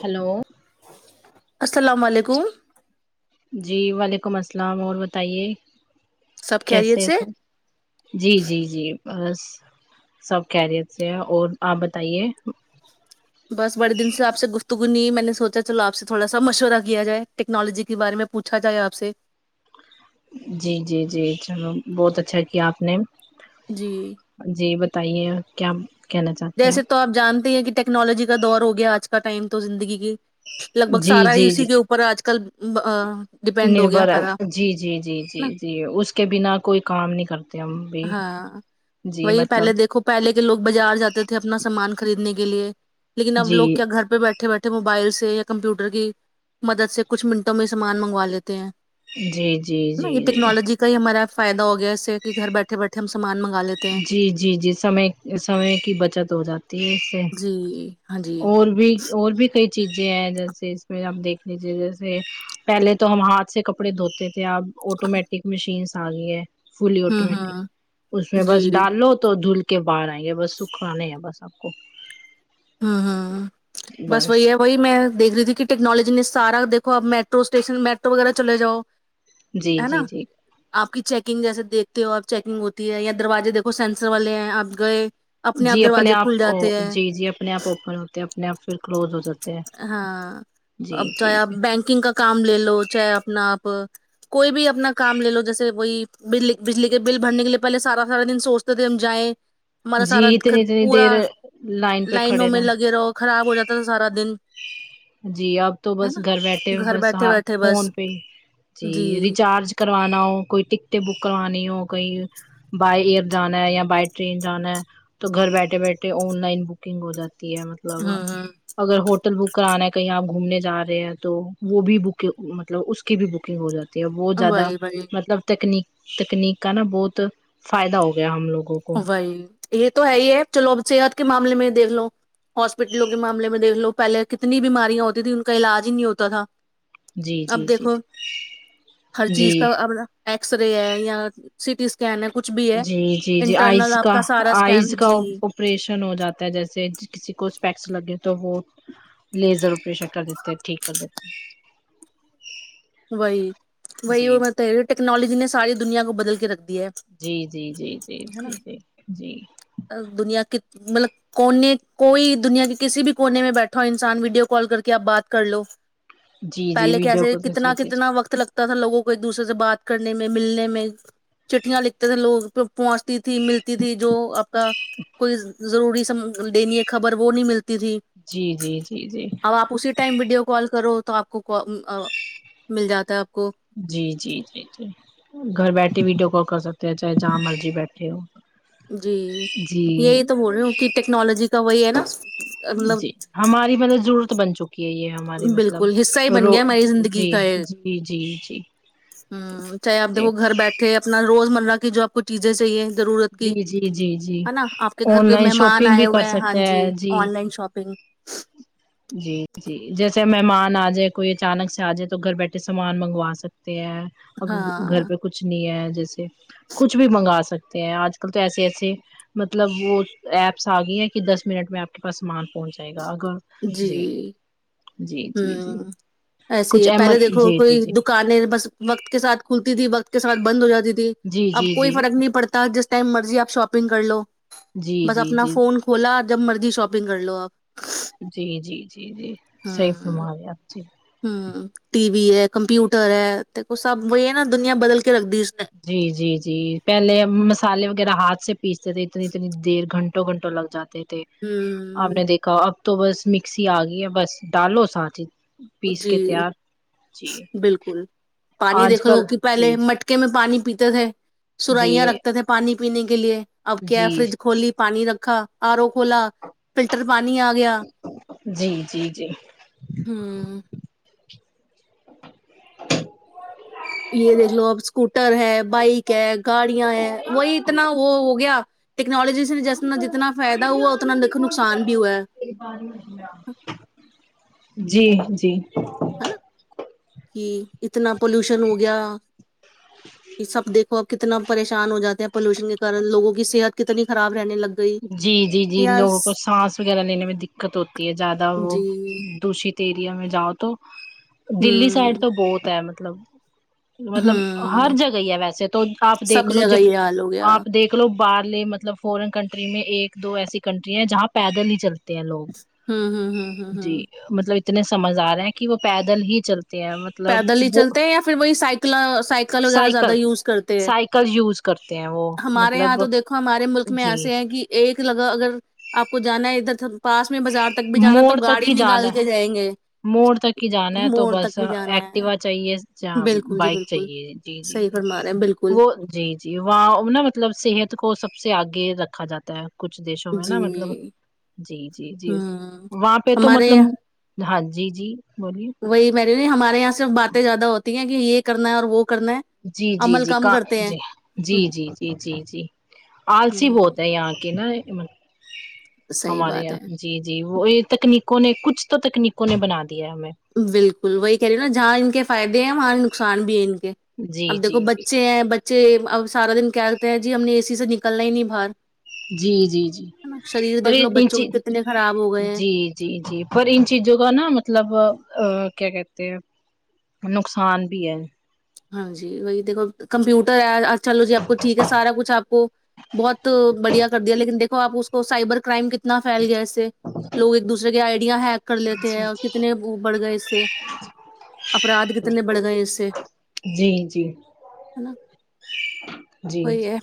Hello السلام علیکم جی وعلیکم السلام اور بتائیے سب خیریت کیسے سے جی جی جی بس سب خیریت سے ہیں اور آپ بتائیے بس بڑے دن سے آپ سے گفتگونی میں نے سوچا چلو آپ سے تھوڑا سا مشورہ کیا جائے ٹیکنالوجی کے بارے میں پوچھا جائے آپ سے جی جی جی چلو بہت اچھا کیا آپ نے جی جی بتائیے کیا کہنا چاہتے ہیں جیسے آپ تو آپ جانتے ہیں کہ ٹیکنالوجی کا دور ہو گیا آج کا ٹائم تو زندگی کی لگ بھگ جی سارا ہی جی جی اسی کے اوپ پر آج کل ڈپینڈ ہو گیا نربھر ہے ہمارا جی جی جی ہے جی نا جی اس کے بنا کوئی کام نہیں کرت أم بھی ہاں جی وہی مطلب پہلے دیکھو پہلے کے لوگ بزار جاتے تھے اپنا سامان خریدنے کے لیے لیکن اب جی لوگ کیا گھر پہ بیٹھے بیٹھے موبائل سے یا کمپیوٹر کی مدد سے کچھ منٹوں میں یہ سامان منگوا لیتے ہیں جی جی جی جی کئی ہمارا فائدہ ہو گیا اس سے کہ گھر بیٹھ بیٹھے سامان منا لے جی جی جی سمے سمے کی بچت ہو جاتی ہے اس سے جی ہاں جی اور بھی اور بھی کئی چیزیں ہیں جیسے اس میں آپ دیکھ لیجیے جیسے پہلے تو ہم ہاتھ سے کپڑے دھوتے تھے ت آپ آٹومیٹک مشینس آ ری ہے فلی ہوں آٹومیٹک ہوں اس میں جی بس ڈال لو تو دھل کے باہر آئیں گے بس سکھوانے ہے بس آپ کو ہہم بس وہی ہے وہی میں دیکھ رہی تھی کہ ٹیکنالوجی نے سارا دیکو اپ میٹرو اسٹیشن میٹرو وغیرہ چلے جاؤ جی ہے جی نا جی آپ کی چیکنگ جیسے دیکھتے ہو آپ چیکنگ ہوتی ہے یا دروازے دیکھو سینسر والے ہیں آپ گئے اپنے آپ دروازے کھل جاتے ہیں جی جی اپنے آپ اوپن ہوتے ہیں اپنے آپ پھر کلوز ہو جاتے ہیں ہاں جی اب چاہے جی آپ جی بینکنگ کا کام لے لو چاہے اپنا آپ کوئی بھی اپنا کام لے لو جیسے وہی بجلی کے بل بھرنے کے لیے پہلے سارا سارا دن سوچ توجائیں ہمارا سارا جی اتنی اتنی پورا دیر لائن پہ لائنوں کھڑے میں رہنا لگے رہ خراب ہو جاتا تھا سارا دن جی اب تو ہے بس نا گھر بیٹھے ہو گھر بس بیٹھے ہاں بیٹھے فون بس پہ ہی جی ریچارج کروانا ہو کوئی ٹکٹیں بک کروانی ہو کوئی بائی ایئر جانا ہے یا بائی ٹرین جانا ہے تو گھر بیٹھے بیٹھے آن لائن بکنگ ہو جاتی ہے مطلب ہوں ہوں اگر ہو ہوٹل بک کرانا ہے کہیں آپ گھومنے جا رہے ہیں تو وہ بھی بک مطلب اس کی بھی بکنگ ہو جاتی ہے بہت زیادہ وہی وہی مطلب تکنیک تکنیک کا نا بہت فائدہ ہو گیا ہم لوگوں کو وہی یہ تو ہے ہی ہے چلو اب صحت کے معاملے میں دیکھ لو ہاسپٹلوں کے معاملے میں دیکھ لو پہلے کتنی بیماریاں ہوتی تھی ان کا علاج ہی نہیں ہوتا تھا جی اب جی جی دیکھو ہر چیز جی کا ایکسرے ہے یا سی ٹی اسکین ہے کچھ بھی ہے جی جی جی آئز انٹرنل آپ کا سارا آئز اسکین کا جی اپریشن ہو جاتا ہے جیسے کسی کو اسپیکس لگے تو وہ لیزر ا پریشا کر دیتے ٹھیک کر دیتے وہی ہیں۔ وہی جی وہ میں ٹیکنالوجی نے ساری دنیا کو بدل کے رکھ دیا ہے جی جی جی جی ہے نا جی جی جی دنیا کت مطلب کونے کوئی دنیا کے کسی بھی کونے میں بیٹھا ہو انسان ویڈیو کال کر کے آپ بات کر لو جی جی پہلے ویڈیو کیسے کو تو جی کتنا جی کتنا وقت لگتا تھا لوگوں کو ایک دوسرے سے بات کرنے میں ملنے میں چٹیاں لکھتے تھے لوگ پہنچتی تھی ملتی تھی جو کا کوئی ضروری سی لینی ہے خبر وہ نہیں ملتی تھی جی جی جی اب آپ اسی ٹائم ویڈیو کال کرو تو آپ کو مل جاتا ہے آپ کو جی جی جی جی گھر بیٹھے ویڈیو کال کر سکتے ہیں چاہے جہاں مرضی بیٹھے ہو جی جی یہی تو بول رہی ہوں کہ ٹیکنالوجی کا وہی ہے نا مطلب جی ہماری مطلب ضرورت بن چکی ہے یہ ہمارے مطلب بالکل حصہ ہی بن رو گیا ہماری جی جی جی جی ھم چاہے آپ جی دیکھو گھر بیٹھے اپنا روزمرہ کی جو آپ کو چیزیں چاہیے ضرورت کی جی جی جی جی ہے نا آپ کے گھر آن کوئی لائن مہمان شاپنگ بھی آئے کر ہوئے ہیں ہاں سکتے جی آن لائن شاپینگ جی جی جیسے مہمان آ جائے کوئی اچانک سے آ جائے تو گھر بیٹھے سامان منگوا سکتے ہیں ا گھر ہاں پہ کچھ نہیں ہے جیسے کچھ بھی منگا سکتے ہیں آج کل تو ایسے ایسے مطلب وہ ایپس آ گی ہیں کہ دس منٹ میں آپ کے پاس سامان پہنچ جائے گا اگر جی جی جی جی ھم ایسے ہی کچھ ہے پہلے احمد دیکھو جی جی کوئی جی دکانیں بس وقت کے ساتھ کھلتی تھی وقت کے ساتھ بند ہو جاتی تھی جی اب جی کوئی جی فرق نہیں پڑتا جس ٹائم مرضی آپ شاپنگ کر لو جی جی بس جی اپنا فون کھلا جب مرضی شاپنگ کر لو آپ جی جی جی جی صحیح ہوں فرما ہے آپ ٹی وی ہے کمپیوٹر ہے دیکھو سب وہ یہ نا دنیا بدل کے رکھ دی اس نے جی جی جی پہلے مسالے وغیرہ ہاتھ سے پیستے تھے اتنی اتنی دیر گھنٹوں گھنٹوں لگ جاتے تھے آپ ہوں نے دیکھا اب تو بس مکسی آ گئی ہے بس ڈالو ساتھ ہی جی بالکل پانی آج دیکھ لو کل کہ جی پہلے مٹ کہ میں پانی پیتے تھے جی سرائیاں رکھتے تھے پانی پینے کے لیے اب کیا ہے جی فرج کھولی پانی رکھا آر او کھولا فلٹر پانی آ گیا جی جی جی ہوں یہ دیکھ لو اب اسکوٹر ہے بائک ہے گاڑیاں ہے وہی اتنا وہ ہو گیا ٹیکنالوجی سے جس جتنا فائدہ ہوا اتنا دیکھو نقصان بھی ہوا ہے جی جی ہے نا کہ اتنا پولوشن ہو گیا یہ سب دیکھو اب کتنا پریشان ہو جاتے ہیں پولوشن کے کن لگوں کی صحت کتنی خراب رہنے لگتی جی جی جی لوگوں کو سانس وغیرہ لینے میں دکت ہوتی ہے زیادہ وہ جی دشت ایریا میں جاؤ تو دلی سائڈ ہوں تو بہت ہے مطلب مطلب ہر ہوں جگہ ہے ویسے تو آپ سب دیکھ لو جب جگہ یہ حال ہو گیا آپ دیکھ چلو باہرے مطلب فورن کنٹری میں ایک دو ایسی کنٹرییاں جہاں پیدل نہیں چلتی تے ہیں لوگ ہوں ہوں ہوں ہوں جی ہوں مطلب اتنے سمجھدار ہیں کہ وہ پیدل ہی چلتے ہیں پیدل مطلب ہی وہ چلتے ہیں یا پھر وہی سائیکل سائیکل وغیرہ زیادہ یوز کرتے ہیں سائیکل یوز کرتے ہیں وہ ہمارے مطلب یہاں تو دیکھو ہمارے ملک میں جی ایسے ہیں کہ ایک لگہ اگر آپ کو جانا ہے ادھر پاس میں بازار تک بھی جانا تو موڑ تک گاڑی ہی جانا نکال کے ہے جائیں گے موڑ تک ہی جانا ہے تو مڑ تک بس بھی جانا ہے ایکٹیوا چاہیے یا بالکل جی بائک بالکل چاہیے جی جی صحیح جی فرما رہے ہیں بالکل وہ جی جی وہاں نا مطلب صحت کو سب سے آگے رکھا جاتا ہے کچھ دیشوں میں جی نا مطلب جی جی جی ہوں وہاں پہ تو ہمارے مطلب ہاں جی جی بولیے وہی میڈی ہمارے یہاں صرف باتیں زیادہ ہوتی ہیں کہ یہ کرنا ہے اور وہ کرنا ہے جی جی عمل جی کم جی کرتے ہیں جی جی جی جی جی آلسی بہت ہوں ہے یہاں کی نا صحیح ہمارے بات ہے یہاں جی جی وہ یہ تکنیکوں نے کچھ تو تکنیکوں نے بنا دیا ہے ہمیں بالکل وہی کہہ رہی ہ نا جہاں ان کے فائدے ہیں وہاں نقصان بھی ہے ان کے جی اب دیکھو جی جی بچے ہیں بچے اب سارا دن کیا کرتے ہیں جی ہم نے اے سی سے نکلنا ہی نہیں باہر جی جی جی ہے نا شریر اور دیکھ یہ لو بچوں کے کتنے خراب ہو گئے ہیں جی جی جی پر ان چیزوں کا نا مطلب کیا کہتے ہیں نقصان بھی ہے ہاں جی یہ دیکھو کمپیوٹر ہے چلو جی آپ کو ٹھیک ہے سارا کچھ آپ کو بہت بڑھیا کر دیا لیکن دیکھو آپ اس کو سائبر کرائم کے کتنا پھیل گیا اسے لوگ ایک دوسرے کے آئیڈیا ہیک کر لیتے جی ہیں کتنے بڑھ گئے اس سے افراد کتنے بڑھ گئے ہیں اس سے جی جی ہے نا جی وہی ہے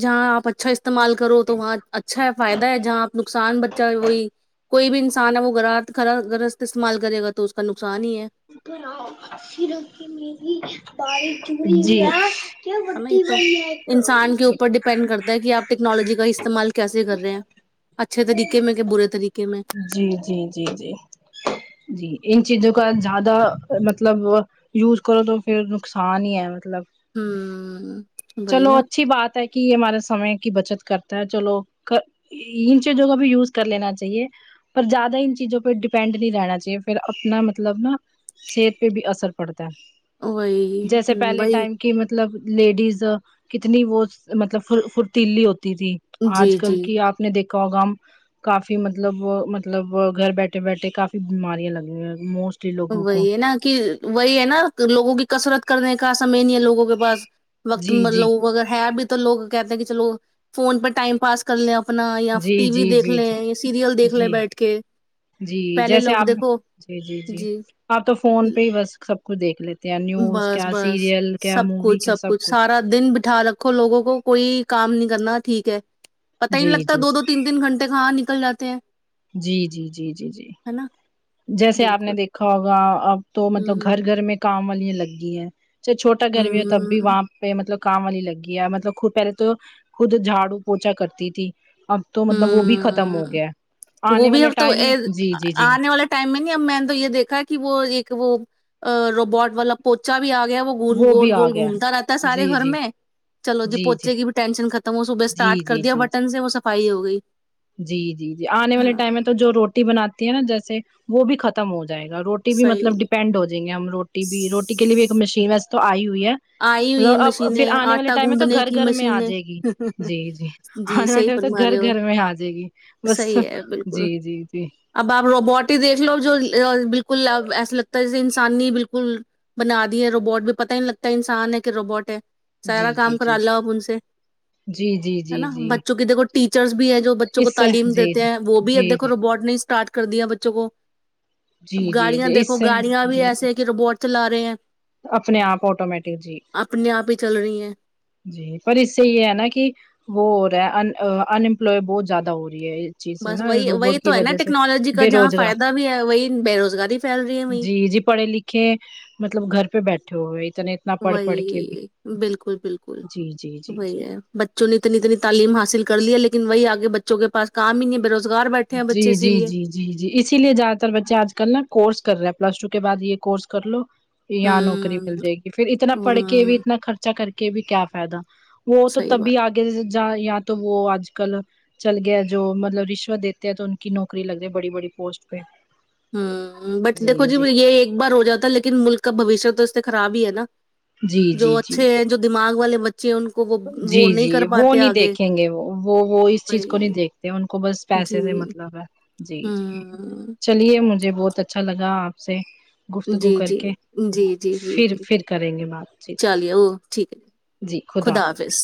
جہاں آپ اچھا استعمال کرو دوست تو وہاں اچھا ہے فائدہ ہے جہاں آپ نقصان بچہ ہے وہی کوئی بھی انسان ہے وہ گ کرا گرست استعمال کرے گا تو اس کا نقصان ہی ہے ر کہ میری باری جی ہے نا یہ تو انسان کے اوپر ڈیپینڈ کرتا ہے کہ آپ ٹیکنالوجی کا استعمال کیسے کر رہے ہیں اچھے طریقے میں کہ برے طریقے میں جی جی جی جی جی ان چیزوں کا زیادہ مطلب یوز کرو تو پھر نقصان ہی ہے مطلب ہوں وہی چلو نا اچھی بات ہے کہ یہ ہمارے سمے کی بچت کرتا ہے چلو ان چیزوں کا بھی یوز کر لینا چاہیے پر زیادہ انن چیزوں پہ ڈیپینڈ نہیں رہنا چاہیے پھر اپنا مطلب نا صحت پہ بھی اثر پڑتا ہے وہی جیسے پہلے وہی ٹائم کہ مطلب لیڈیز کتنی وہ مطلب فرتیلی ہوتی تھی آج جی جی کل کی آپ نے دیکھا ہوگا ہم کافی مطب مطلب مطلب گھر بیٹھے بیٹھے کافی بیماریاں لگی ہو ہیں موسٹ وہی ہے نا کہ وہی ہے نا لوگوں کی کسرت کرنے کا سمے نہیں ہے لوگوں کے پاس وقت جی جی لوگ کو اگر ہے بھی تو لوگ کہتے ہیں کہ چلو فون پہ ٹائم پاس کر لیں اپنا یا جی ٹی وی جی دیکھ جی لیں جی یا سیریل دیکھ لیں جی بیٹھ کے جی پہلے جیسے لوگ آپ نے دیکھو جی جی جی آپ تو فون پہ ہی بس سب کچھ دیکھ لیتے ہیں نیوز بس کیا بس سیریل کیا سب مووی کچھ کیا سب کچھ سارا دن بٹھا رکھو لوگوں کو کوئی کام نہیں کرنا ٹھیک ہے پت ہی جی نہیں لگتا جی دو دو تین گھٹے کہاں نکل جاتے ہیں جی جی جی جی جی ہے نا جیسے آپ نے بالکل دیکھا ہوگا اب تو مطلب ہوں ہوں گھر گھر میں کام والیاں لگ گئی ہیں چاہے چھوٹا گھر بھی ہو تب بھی ہوں وہاں پہ مطلب کام والی لگ گی ہے مطلب خود پہلے تو خود جھاڑو پوچا کرتی تھی اب تو مطلب وہ بھی ختم ہو ہوں گیا وہ آنے بھی والے اب تو ٹائم میں جی جی جی آنے والے ٹائم میں نہیں اب میں نے تو یہ دیکھا ہے کہ وہ ایک وہ روبوٹ والا پوچا بھی آ گیا وہ فون گول بھی آ گول گیا گھومتا رہتا ہے سارے جی گھر جی میں چلو جی پوچےکی بھی ٹینشن ختم ہو صبح اسٹارٹ جی جی کر جی دیا جی بٹن سے وہ صفائی ہو گئی جی جی جی آنے والے ہاں ٹائم میں تو جو روٹی بناتی ہے نا جیسے وہ بھی ختم ہو جائے گا روٹی بھی صحیح مطلب ڈیپینڈ ہو جائیں گے ہم روٹی بھی رو کے لیے بھی ایک مشین وس تو آئی ہوئی ہے آئی مل ہوئی ہے اب پھر مشینیں آنے والے آٹا ٹائم میں تو گوندنے گھر کی گھر میں آ مشینیں جائے گی جی جی جی آنے والے صحیح ٹائم تو فرما گھر رہے ہو گھر میں آ جائے گی بس صحیح ہے بالکل جی جی جی اب آپ روبوٹ ہی دیکھ لو جو بالکل ا ایسا لگتا ہے جیسے انسان نہیں بالکل بنا دی ہے روبوٹ بھی پتا ہی نہیں لگتا انسان ہے کہ روبوٹ ہے سارا جی کام جی جی کرا لوا ب ان سے جی جی ہے جی نا جی بچوں کی دیکھو ٹیچرس بھی ہے جو بچوں کو اس سے تعلیم جی دیتے ہیں وہ بھی اب جی دیکھو جی روبوٹ اسٹارٹ کر دیا بچوں کو جی اب جی جی گاڑیاں جی اس دیکھو سے گاڑیاں بھی جی ایسے ہیں کہ روبوٹ چلا رہے ہیں اپنے آپ آٹومیٹک جی اپنے آپ ہی چل رہی ہیں جی پر اس سے یہ ہے نا کہ وہ ہو رہا ہے انمپلائے بہت زیادہ ہو رہی ہے چیز ہے بس نا وہی وہی روبوٹ کی تو ہے نا وجہ سے ٹیکنالوجی کا بے جہاں روزگار فائدہ بھی ہے وہی بے روزگاری پھیل رہی ہے وہی جی جی پڑھے لکھے کہ مطلب گھر پہ بیٹھے ہوئے اتنے اتنا پڑھ پڑھ کے بھی وہی بالکل بالکل جی جی جی جی وہی ہے بچوں نے اتنی اتنی تعلیم حاص کر لن وہی آگے بچوں کےاس کام ہی نہیں ہےو جی جی جی جی جی اسی لیے زیاد تر بچے آج کل نا کورس کر رہے ہیں پلس ٹو کے بعد یہ کر لو یااں نوکری ہوں مل جائے گی پھر اتنا پڑھ کے بھی ہوں اتنا خرچا کر کے بھی کیا فائدہ وہ تو صحیح بات تبھی آگے ج یا تو وہ آج کل چل گیا جو مطلب رشوت دی تو ان کی نوکری لگ رہ ہے بڑی بڑی پوسٹ پہ ہوں بٹ دیکھو جی یہ ایک بار ہو جاتا لیکن ملک کا بھوش تو اس سے خراب ہی ہے نا جی جو جی جی اچھے ہیں جو دماغ والے بچے ہیں ان کو وہ جی وہ نہیں جی کر وہ پاتے نہیں آگے دیکھیں گے وہ وہ اس چیز کو وہی نہیں دیکھ ان کو بس پیسے سے جی مطلب ہے جی جی ہوں چلیے مجھے بہت اچھا لگا آپ سے گفتگو جی کر جی کے جی جی جی پھر جی پھر کریں گے بات چیت جی خدافظ فس